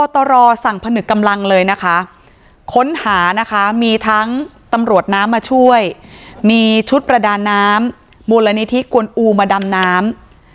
ตำรวจน้ำมาช่วยมีชุดประดานน้ำมูลนิธิกวนอูมาดำน้ำ